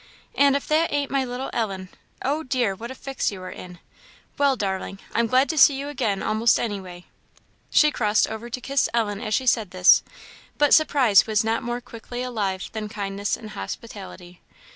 and if that ain't my little Ellen! oh dear! what a fix you are in! Well, darling, I'm glad to see you again a'most anyway." She crossed over to kiss Ellen as she said this; but surprise was not more quickly alive than kindness and hospitality.